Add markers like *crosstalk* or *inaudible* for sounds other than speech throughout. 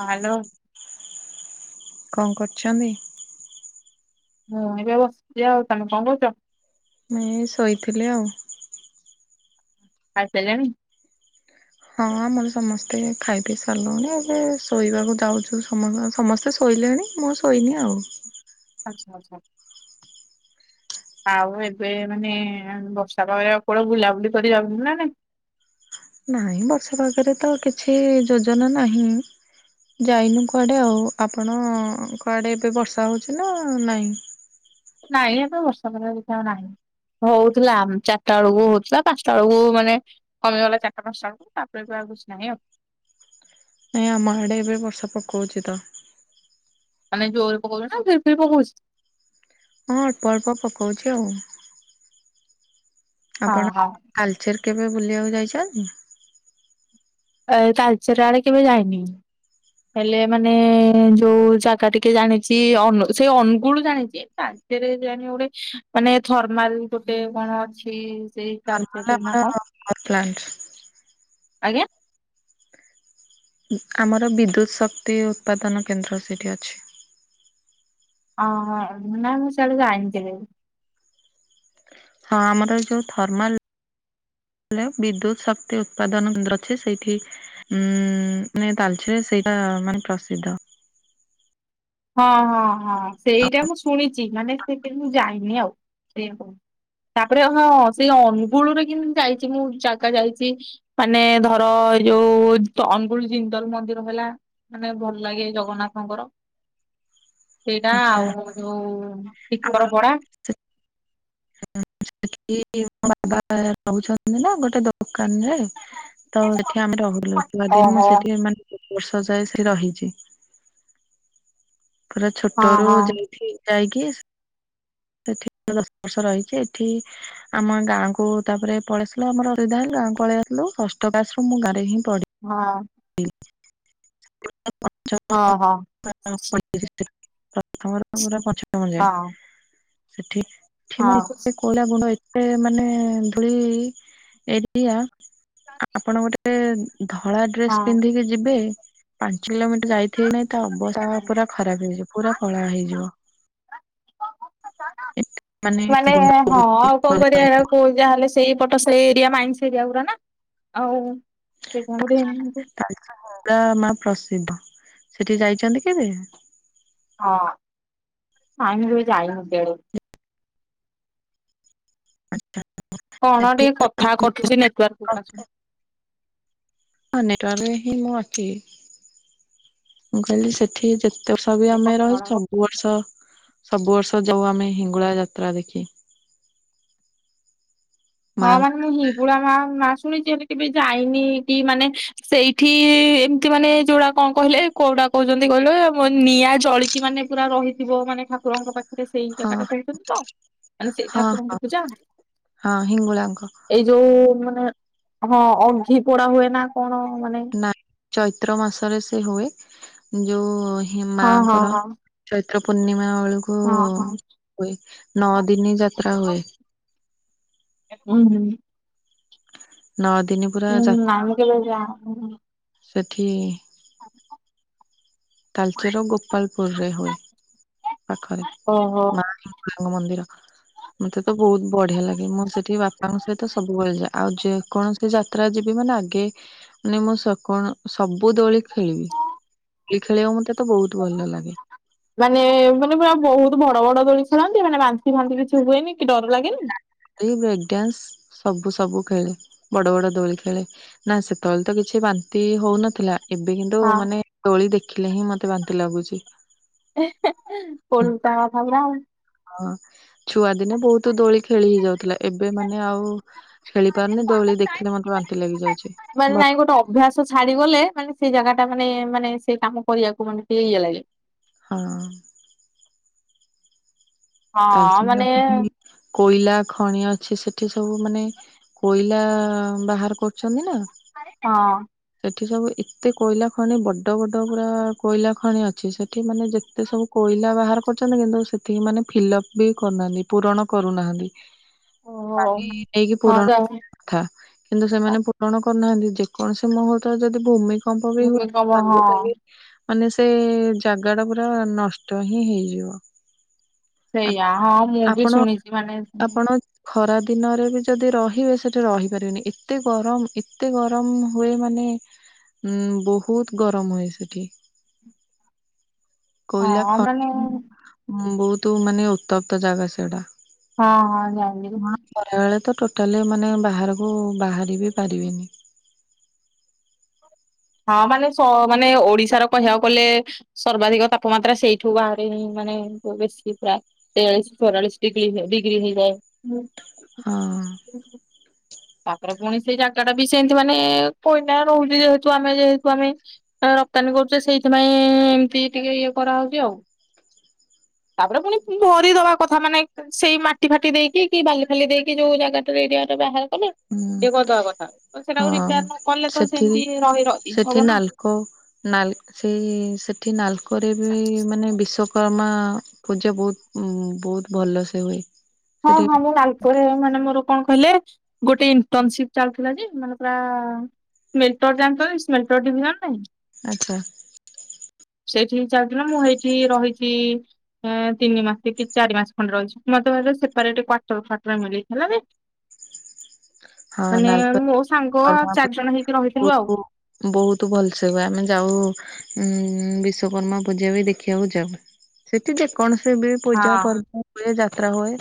Hello. କଣ କରୁଛନ୍ତି। ମୁଁ ହେଇବା ବସିଛି ଆଉ ତମେ କଁ କରୁଛ। ମୁଁ ଏ ଶୋଇଥିଲି ଆଉ। ଖାଇ ସାଇଲେଣି। ହଁ ଆମର ସମସ୍ତେ ଖାଇ ପିଇ ସାରିଲୁଣି ଏବେ ଶୋଇବାକୁ ଯାଉଛୁ। ସମତ ସମସ୍ତେ ଶୋଇଲେଣି ମୁଁ ଶୋଇନି ଆଉ। ଆଚ୍ଛା ଆଚ୍ଛା। ଆଉ ଏବେ ମାନେ ବର୍ଷା ପାଗ ରେ କୁଆଡେ କଣ ବୁଲାବୁଲି କରିଯାଉଛନ୍ତି ନା ନାଇ? ନାଇଁ ବର୍ଷା ପାଗରେ ତ କିଛି ଯୋଜନା ନାହିଁ। ଯାଇନୁ କୁଆଡ଼େ ଆଉ ଆପଣ ଙ୍କ ଆଡ଼େ ଏବେ ବର୍ଷା ହଉଚି ନା ନାଇ? ନାଇଁ ଏବେ ବର୍ଷା ଫର୍ସା କିଛି ଆଉ ନାହିଁ। ହଉଥିଲା ଚାରିଟା ବେଳକୁ ହଉଥିଲା ପାଞ୍ଚଟା ବେଳକୁ ମାନେ କମିଗଲା ଚାରି ଟା ପାଞ୍ଚ ଟା ବେଳକୁ ତାପରେ ଏବେ ଆଉ କିଛି ନାହିଁ ଆଉ। ନାଇଁ ଆମ ଆଡ଼େ ଏବେ ବର୍ଷା ପକଉଚି ତ। ମାନେ ଜୋରେ ପକାଉଚି ନା ଫିର୍ ଫିର୍ ପକଉଚି। ହଁ ଅଳ୍ପ ଅଳ୍ପ ପକାଉଚି ଆଉ। ହଁ ଆପଣ ହଁ ତାଲଚେର୍ କେବେ ବୁଲିବାକୁ ଯାଇଚନ୍ତି। ଏ ତାଲ୍‌ଚେର୍ ଆଡ଼େ କେବେ ଯାଇନି। ହେଲେ ମାନେ ଯୋଉ ଜାଗା ଟିକେ ଜାଣିଚି ଅନ୍‌ ସେ ଅନୁଗୁଳ ଜାଣିଚି। ରାଜ୍ୟ ରେ ଜାଣିବ ଗୋଟେ ମାନେ ଥର୍ମାଲ୍ ଗୋଟେ କଣ ଅଛି ସେଇ *unintelligible* ଥର୍ମାଲ୍ ନା କଣ? ଆମର ନଥଲ୍ୟାଣ୍ଡ *unintelligible* ଆଜ୍ଞା। ଆମର ବିଦ୍ୟୁତ୍ ଶକ୍ତି ଉତ୍ପାଦନ କେନ୍ଦ୍ର ସେଠି ଅଛି। ଅ ହଁ ନାଇଁ ମୁଁ ସିଆଡ଼େ ଯାଇନି କେବେ ବି। ହଁ ଆମର ଏ ଯୋଉ ଥର୍ମାଲ୍ ହ୍ୟାଲୋ ବିଦ୍ୟୁତ୍‌ ଶକ୍ତି ଉତ୍ପାଦନ କେନ୍ଦ୍ର ଅଛି। ସେଇଠି ଉଁ ନାଇ ତାଲ୍‌ଚେର୍‌ ସେଇଟା ମାନେ ପ୍ରସିଦ୍ଧ। ହଁ ହଁ ହଁ ସେଇଟା ମୁଁ ଶୁଣିଚି ମାନେ ସେଇଠି କୁ ଯାଇନି ଆଉ ସେଇଆ କ ତାପରେ ହଁ ସେଇ ଅନୁଗୁଳରେ କିନ୍ତୁ ଯାଇଚି ମୁଁ ଜାଗା ଯାଇଚି। ମାନେ ଧର ଏଇ ଯୋଉ ଅନୁଗୁଳ ଜିନ୍ଦଲ୍‌ମନ୍ଦିର ହେଲା। ମାନେ ଭଲ ଲାଗେ ଜଗନ୍ନାଥଙ୍କ ର। ସେଇଟା ଆଚ୍ଛା। ଆଉ ଯୋଉ ଟିକରପଡା। ସେଠି ମୋ ବାବା ରହୁଛନ୍ତି ନା ଗୋଟେ ଦୋକାନ୍‌ ରେ। ତ ସେଠି ଆମେ ରହିଲୁ ଯଦି ମୁଁ ଓହୋ ସେଠି ମାନେ *unintelligible* ବର୍ଷ ଯାଏ ସେଇଠି ରହିଚି ପୁରା ଛୋଟ ହଁ ରୁୁ ହଁ ଯାଇକି ଯାଇକି ସ ସେଠି ଦଶ ବର୍ଷ ରହିଛି ଏଠି ଆମ ଗାଁ *unintelligible* କୁ ତାପରେ ପଳେଇ ଆସିଲୁ ଆମରଧା ଗାଁକୁ ପଳେଇ ଆସିଲୁ ଷଷ୍ଠ କ୍ଲାସ୍‌ ରୁ ମୁଁ ଗାଁ ରେ ହିଁ ପଢିଛି ହଁ। ପଞ୍ଚମ ହଁ ହଁ *unintelligible* ପ୍ରଥମ ପୁରା ପଞ୍ଚମ ଯାଏ ହଁ ସେଠି ମାନେ ହଁ। ଏତେ କୋଇଲା ଗୁଣ୍ଡ ଏତେ ମାନେ ଧୂଳି ଏରିଆ ଆପଣ ଗୋଟେ ଗୋଟେ ଧଳା ଡ୍ରେସ ହଁ। ପିନ୍ଧିକି ଯିବେ ପାଞ୍ଚ କିଲୋମିଟର ଯାଇଥିବ କି ନାଇଁ ତା ଅବସ୍ଥା ପୁରା ଖରାପ ହେଇଯିବ ପୁରା କଳା ହେଇଯିବ। ଏତେ ମାନେ ଗୁଣ୍ଡ ହଁ ଉଡୁଛି ଆଉ କଣ କୋଇଲା କରିବା? ଏରାକୁ ଯାହାହଲେ ସେଇପଟ ସେଇ ଏରିଆ ମାଇନ୍ ଏରିଆ ଗୁରା ନା ଆଉ ସେ ଦୁର୍ଗା ମା ପ୍ରସିଦ୍ଧ ସେଠି ଯାଇଛନ୍ତି କେବେ? ହଁ ନାଇଁ ମୁଁ କେବେ ଯାଇନି ସିଆଡେ। କଣ ସେଠି ଟିକେ କଥା କଟୁଛି ନେଟୱର୍କ ହଁ ନେଟ ରେ ହିଁ ମୁଁ ଆଛି *unintelligible* ମୁଁ କହିଲି ସେଠି ଯେତେ ବର୍ଷ ବି ଆମେ ରହିଚୁ ଆସୁନୁ। ସବୁ ବର୍ଷ ସବୁ ବର୍ଷ ଯାଉ ଆମେ ହିଙ୍ଗୁଳା ଯାତ୍ରା ଦେଖି। ହଁ ମାଙ୍କ ମାନେ ମୁଁ ବୁଢା ମା ମା ଶୁଣିଛି ହେଲେ କେବେ ଯାଇନି କି ମାନେ ସେଇଠି ଏମିତି ମାନେ ଯୋଡା କଣ କହିଲେ କୋଉଟା କହୁଛନ୍ତି କହିଲ ନିଆଁ ଜଳିକି ମାନେ ପୁରା ରହିଥିବ ମାନେ ଠାକୁରଙ୍କ ପାଖରେ। ସେଇ ହଁ ଇ କଟ ଖେଛନ୍ତି ତ ମାନେ ସେଇ ହଁ ଠାକୁରଙ୍କର ପୂଜା। ହଁ ହିଙ୍ଗୁଳାଙ୍କ। ଏଇ ଯୋଉ ମାନେ ହଁ ଅଘି ପୋଡା ହୁଏ ନା କଣ ମାନେ? ନା ଚୈତ୍ର ମାସରେ ସେ ହୁଏ ଯୋଉ ହି ହଁ ହଁ ମାଙ୍କର। ଚୈତ୍ର ପୂର୍ଣ୍ଣିମା ବେଳକୁ ହଁ ହଁ ହୁଏ ନଅ ଦିନି ଯାତ୍ରା ହଁ। ହୁଏ। ହୁଁ ହୁଁ। ନଅ ଦିନି। ପୁରା ଯାତ୍ରା *unintelligible* ସେଠି ତାଲଚେର ଗୋପାଳପୁରରେ ହୁଏ। ପାଖରେ ଓହୋ ମା ମାଙ୍କ ମନ୍ଦିର। ମତେ ତ ବହୁତ ବଢିଆ ଲାଗେ ମୁଁ ସେଠି ବାପାଙ୍କ ସହିତ ସବୁବେଳେଯାଏ ଆଉ ଯ କୌଣ ସେ ଯାତ୍ରା ଯିବି ମାନେ ଆଗେ ମାନେ ସ ମୁଁ କଣ ସବୁ ଦୋଳି ଖେଳିବି। ଖେଳିବା ମତେ ତ ବହୁତ ଭଲ ଲାଗେ। ମାନେ ମାନେ ପୁରା ବହୁତ ବଡ ବଡ ଦୋଳି ଖେଳନ୍ତି ମାନେ ବାନ୍ତି ଫାନ୍ତି କିଛି ହୁଏନି କି ଡର ଲାଗେନି? କି ବ୍ରେକ୍ ଡାନ୍ସ ସବୁ ସବୁ ଖେଳେ ବଡ ବଡ ଦୋଳି ଖେଳେ। ନା ସେତେବେଳେ ତ କିଛି ବାନ୍ତି ହଉନଥିଲା। ଏବେ କିନ୍ତୁ ହଁ। ମାନେ ଦୋଳି ଦେଖିଲେ ହିଁ ମତେ ବାନ୍ତି ଲାଗୁଛି। *unintelligible* ହଁ ଛୁଆଦିନେ ବହୁତ ଦୋଳି ଖେଳି ହେଇଯାଉଥିଲା ଏବେ ମାନେ ଆଉ ଖେଳି ପାରୁନି ଦୋଳି ଦେଖିଲେ ମତେ ବାନ୍ତି ଲାଗିଯାଉଛି। ମାନେ ନାଇଁ ଗୋଟେ ଅଭ୍ୟାସ ଛାଡିଗଲେ ମାନେ ସେଇ ଜାଗା ଟା ମାନେ ମାନେ ସେଇ କାମ କରିବାକୁ ମାନେ ଟିକେ ଇଏ ଲାଗେ। ହଁ। ହଁ ମାନେ ତାଲଚଠି କୋଇଲା ଖଣି ଅଛି ସେଠି ସବୁ ମାନେ କୋଇଲା ବାହାର କରୁଛନ୍ତି ନା ହଁ। ସେଠି ସବୁ ଏତେ କୋଇଲା ଖଣି ବଡ ବଡ ପୁରା କୋଇଲା ଖଣି ଅଛି ସେଠି ମାନେ ଯେତେ ସବୁ କୋଇଲା ବାହାର କରୁଛନ୍ତି କିନ୍ତୁ ସେଠକି ମାନେ ଫିଲ୍ ଅପ ବି କରୁନାହାନ୍ତି ପୂରଣ କରୁନାହାନ୍ତି ଓହୋ। କଲି ନେଇକି ହଁ ପୂରଣ ଯା କଥା କିନ୍ତୁ ସେମାନେ ପୂରଣ କରୁନାହାନ୍ତି ଯେକୌଣସି ମୁହୂର୍ତରେ ଯଦି ଭୂମି ସମ୍ପବ ହୁ ଭୂମିକମ୍ପ ହଁ ମାନେ ସେ ଜାଗା ଟା ପୁରା ନଷ୍ଟ ହିଁ ହେଇଯିବ। ସେଇଆ ହଁ ମୁଁ ବି ଆପଣ ଶୁଣିଛି ମାନେ ଆପଣ ଖରା ଦିନରେ ବି ଯଦି ରହିବେ ସେଠି ରହିପାରିବେନି ଏତେ ଗରମ ଏତେ ଗରମ ହୁଏ ମାନେ ଉଁ ବହୁତ ଗରମ ହୁଏ ସେଠି। କୋଇଲା ଖ ମାନେ ହଁ ବହୁତ ମାନେ ଉତ୍ତପ୍ତ ଜାଗା ସେଗଟା। ହଁ ହଁ ଜାଣିଲି। ଖରାବେଳେ ତ ଟୋଟାଲି ମାନେ ବାହାରକୁ ବାହାର ବି ପାରିବେନି। ହଁ ମାନେ ସୋ ମାନେ ଓଡିଶାର କହିବାକୁ ଗଲେ ସର୍ବାଧିକ ତାପମାତ୍ରା ସେଇଠୁ ବାହାରେ ହିଁ, ମାନେ ବେଶୀ ପୁରା। ତେୟାଳିଶ୍, ଚୋଉରାଳିଶ୍ ଡିଗ୍ରୀ ଡିଗ୍ରୀ ହେଇଯାଏ। ହଁ। ତାପରେ ପୁଣି ସେଇ ଜାଗା ଟା ବି ସେମତି, ମାନେ କୋଇଲା ରହୁଛି, ଯେହେତୁ ଆମେ, ଯେହେତୁ ଆମେ ରପ୍ତାନୀ କରୁଛେ, ସେଇଥିପାଇଁ ଏମତି ଟିକେ ଇଏ କରାହଉଛି ଆଉ। ତାପରେ ପୁଣି ଭରିଦବା କଥା, ମାନେ ସେଇ ମାଟି ଫାଟି ଦେଇକି, କି ବାଲି ଫାଲି ଦେଇକି, ଯୋଉ ଜାଗାଟାରେ ଏରିଆରେ ବାହାର କଲେ ହୁଁ ଇଏ କରିଦବା କଥା, ସେଟାକୁ ହଁ ରିପେୟାର ନ କଲେ ତ ସେମିତି ରହି ରହି ହବ ନା। କୋ, ନାଲ୍, ସେଇ ସେଠି ନାଲକୋରେ ବି, ମାନେ ବିଷକ ମା ପୂଜା ବହୁତ ବହୁତ ଭଲ ସେ ହୁଏ। ହଁ, ସେଠି ହଁ, ମୁଁ, ନାଲ କୋରେ ମାନେ, ମୋର କଣ କହିଲେ, ଗୋଟେ ଇଣ୍ଟରନ୍ସିପ୍ ଚାଲୁଥିଲା ଯେ, ମାନେ ପୁରା ମେଟୋଯାଙ୍କରେ ସ୍ମେଟ ଟିଭି ମାନେ ଆଚ୍ଛା। ସେଇଠିି ଚାରିଦିନ ମୁଁ ହେଇଠି ରହିଛି। ତିନି ମାସ କି ଚାରି ମାସ ଖଣ୍ଡେ ରହିଛି, ମତେ ଭାରି ସେ ସେପରେଟ୍ କ୍ୱାଟର୍ ଫ୍ୱାଟର୍ ମିଳି ଥିଲା ବି। ହଁ ମାନେ ନାଲକୋ ମୋ ସାଙ୍ଗ ଆଉ କର୍ମା ଚାରିଜଣ ହେଇକି ରହିଥିଲୁ ଆଉ। ବହୁତ ବହୁତ ଭଲସେ ବା ଆମେ ଯାଉ ଉଁ ବିଶ୍ଵକର୍ମା ପୂଜା ବି ଦେଖିବାକୁ ଯାଉ। ସେଠି ଯେକୌଣସି ବି ପୂଜା ହଁ ପର୍ବ। ହୁଏ ଯାତ୍ରା ହୁଏ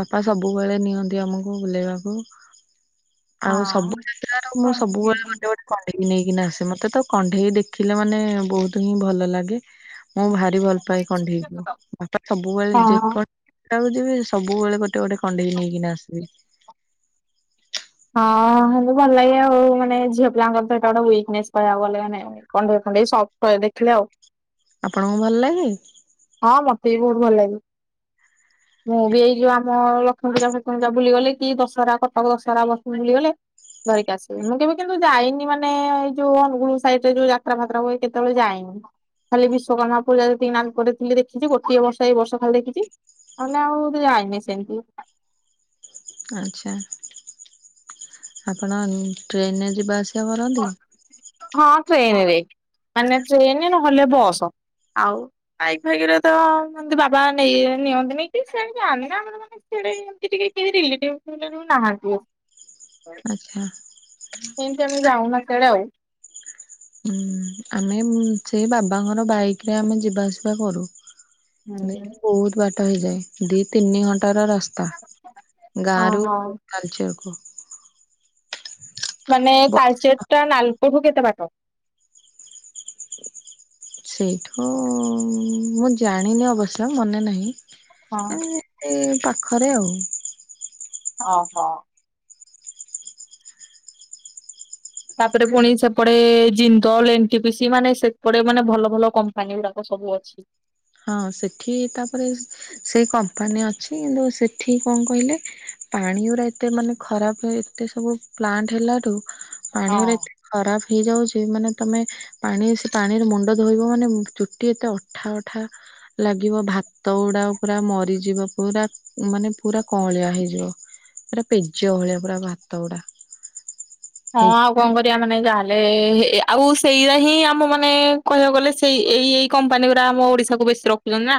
ବାପା ସବୁବେଳେ ନିଅନ୍ତି ଆମକୁ ବୁଲେଇବାକୁ। ଆଉ ସବୁ ଯାତ୍ରା ର, ମୁଁ ସବୁବେଳେ ହଁ। ଗୋଟେ ଗୋଟେ କଣ୍ଢେଇ ନେଇକିନା ଆସେ, ମତେ ତ କଣ୍ଢେଇ ଦେଖିଲେ ମାନେ, ବହୁତ ହିଁ ଭଲ ଲାଗେ। ମୁଁ ଭାରି ଭଲ ପାଏ, କଣ୍ଢେଇ କୁ, ବାପା ସବୁବେଳେ ହଁ ଯେକୌଣଷି ଜାଗାକୁ ଯିବେ, ସବୁବେଳେ ଗୋଟେ ଗୋଟେ କଣ୍ଢେଇ ନେଇକିନା ଆସିବି। ହଁ, ଭଲ ଲାଗେ ଆଉ, ମାନେ ଝିଅ ପିଲାଙ୍କର ତ ଏଟା ଗୋଟେ ୱିକନେସ୍ କହିବାକୁ ଗଲେ, ମାନେ କଣ୍ଡେଇ ଫଣ୍ଡେଇ ସବ ଟୟେ ଦେଖିଲେ ଆଉ। ଆପଣଙ୍କୁ ଭଲ ଲାଗେ? ହଁ ମତେ ବି ବହୁତ ଭଲଲାଗେ। *inaudible* ମୁଁ ବି ଏଇ ଯୋଉ ଆମ ଲକ୍ଷ୍ମୀ ପୂଜା ଫକ୍ଷ୍ମୀ ପୁଜା ବୁଲି ଗଲେ, କି ଦଶହରା, କଟକ ଦଶହରା, ବସରେ ବୁଲିଗଲେ ଧରିକ ଆସିବେ, ମୁଁ କେବେ କିନ୍ତୁ ଯାଇନି, ମାନେ ଏଇ ଯୋଉ ଅନୁଗୁଳ ସାଇଡ ରେ ଯୋଉ ଯାତ୍ରା ଫାତ୍ରା ହୁଏ, କେତେବେଳେ ଯାଇନି। ଖାଲି ବିଶ୍ୱକର୍ମା ପୂଜା, ଯେତିକି ନାଲକୋଟି ଖାଲି ଦେଖିଛି, ଗୋଟିଏ ବର୍ଷ, ଏଇ ବର୍ଷ ଖାଲି ଦେଖିଛି, ନହେଲେ ଆଉ ଯାଇନି ସେମିତି। ଆଚ୍ଛା, ଆପଣ ଟ୍ରେନରେ ଯିବା ଆସିବା କରନ୍ତି? ହଁ, ଟ୍ରେନ୍ ରେ, ମାନେ ଟ୍ରେନ୍ ନହେଲେ ବସ। ଆଉ ବାଇକ୍ ଫାଇକ୍ ରେ ତ ଏମିତି ବାବା ନେଇ ନିଅନ୍ତିନି କି ସେ ଏମିତି ଯାଆନ୍ତିନି କେଡ଼େ ଏମିତି ଟିକେ କେହି ରିଲେଟିଭ୍ ନାହାନ୍ତି। ଆଚ୍ଛା। ଆମେ ଯାଉନା କୁଆଡ଼େ ଆଉ। ହୁଁ, ଆମେ ସେଇ ବାବାଙ୍କର ବାଇକ୍ ରେ ଆମେ ଯିବା ଆସିବା କରୁ। ହୁଁ। ମିଉଠୁ ବହୁତ ବାଟ ହେଇଯାଏ, ଦି ତିନି ଘ ଟାର ରାସ୍ତା ଗାଁ ହଁ ରୁ ହଁ ତାଳଚେର୍ କୁ। ମାନେ, ତାଲଚେର୍ ଟା ନାଲକୋ ରୁ କେତେ ବାଟ? ସେଇଠୁ, ମୁଁ ଜାଣିନି, ଅବଶ୍ୟ ମନେ ନାହିଁ, ହଁ। ଏଁ ଉଁ ପାଖରେ ଆଉ। ଅ ହ। ତାପରେ, ପୁଣି ସେପଟେ ଜିନ୍ଦଲ୍, ଏନ୍ଟିପିସି, ମାନେ ସେପଟେ, ମାନେ, ଭଲ ଭଲ କମ୍ପାନୀ ଗୁଡାକ ସବୁ ଅଛି। ହଁ ସେଠି ତାପରେ, ସେଇ କମ୍ପାନୀ ଅଛି କିନ୍ତୁ ସେଠି କଣ କହିଲେ ପାଣି ଗୁରା ଏତେ ମାନେ ଖରାପେ। ଏତେ ସବୁ ପ୍ଲାଣ୍ଟ ହେଲାଠୁ ପାଣି ହଁ। ଗୁରା ଏତେ ଖରାପ ହେଇଯାଉଛି ମାନେ ତମେ, ପାଣି ସେ ପାଣିରେ ମୁଣ୍ଡ ଧୋଇବ ମାନେ ଚୁଟି ଏତେ ଅଠା ଅ। ଠା ଲାଗିବ ଭାତ ଗୁଡା ପୁରା ମରିଯିବ ପୁରା। ମାନେ ପୁରା କଅଁଳିଆ ହେଇଯିବ ପୁରା ପେଜ ଭଳିଆ ପୁରା ଭାତ ଗୁଡା। ହଁ ହେଇ ଆଉ କଣ କରିବା ମାନେ ଯାହାହେଲେ ଆଉ ସେଇଟା ହିଁ ଆମ ମାନେ କହିବାକୁ ଗଲେ ସେଇ ଏଇ ଏଇ। କମ୍ପାନୀ ଗୁରା ଆମ ଓଡିଶାକୁ ବେଶୀ ରଖୁଛନ୍ତି ନା।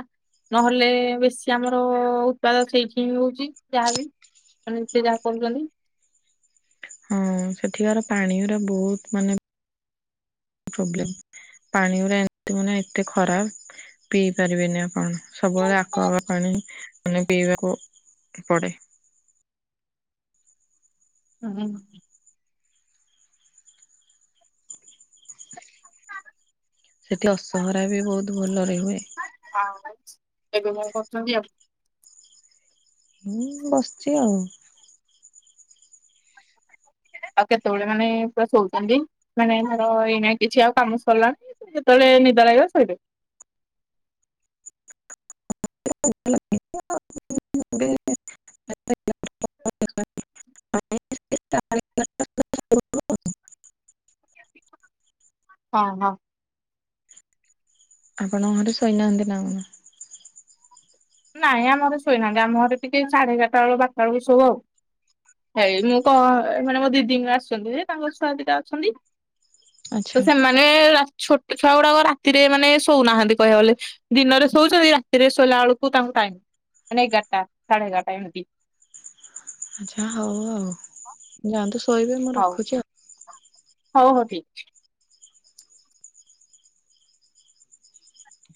ନହେଲେ ବେଶୀ ଆମର ଉତ୍ପାଦ ଠିକ୍ ହିଁ ହଉଛି ଯାହାବି। ମାନେ ସେ ଯାହା କରୁଛନ୍ତି। ହଁ ସେଠିକାର ପାଣି ଗୁରା ବହୁତ ମାନେ, ପ୍ରୋବଲେମ ପାଣି ଗୁରା ଏମତି ମାନେ ଏତେ ଖରାପ। ପିଇ ପାରିବେନି ଆପଣ। ସବୁବେଳେ ଆକ୍ୱାଗାର୍ଡ ପାଣି ମାନେ ପିଇବାକୁ ପଡେ। ହୁଁ ହୁଁ। ସେଠି ଅସହରା ବି ବହୁତ ଭଲରେ ହୁଏ। ହଁ ଏବେ କଣ କରୁଛନ୍ତି ଆ ମୁଁ ବସିଛି ଆଉ। ଆଉ କେତେବେଳେ ମାନେ ପୁରା ଶଉଛନ୍ତି ମାନେ ଧର ଏଇ ନା କିଛି ଆଉ କାମ ସରିଲା ଯେତବେଳେ ନିଦ ଲାଗିବ ଶୋଇଲେ। *inaudible* ଏବେ ହଁ ହଁ। ଆପଣଙ୍କ ଘରେ ଶୋଇନାହାନ୍ତି ନା କଣ? ନାଇଁ ଆମ ଘରେ ଶୋଇନାହାନ୍ତି ଆମ ଘରେ ଟିକେ ସାଢେଚାରଟା ବେଳ ପଞ୍ଚଟା ବେଳକୁ ସୋଉ ଆଉ। ହେଇ ମୁଁ କ ମାନେ ମୋ ଦିଦି ଙ୍କ ଆସୁଛନ୍ତି ଯେ ତାଙ୍କ ଛୁଆ ଦିଟା ଅଛନ୍ତି। ତ ଆଚ୍ଛା। ସେମାନେ ରା ଛୋଟ ଛୁଆ ଗୁଡାକ ରାତିରେ ମାନେ ଶୋଉନାହାନ୍ତି କହିବାକୁ ଗଲେ। ଦିନରେ ଶୋଉଛନ୍ତି ରାତିରେ ଶୋଇଲା ବେଳକୁ ତାଙ୍କୁ ଟାଇମ ମାନେ ଏଗାରଟା ସାଢେ ଏଗାରଟା ଏମତି। ଆଚ୍ଛା ହଉ ଆଉ ଯାଆନ୍ତୁ ଶୋଇବେ ମୁଁ ହଉ ରଖୁଛି ଆଉ। ହଉ ହଉ ଠିକ ଅଛି।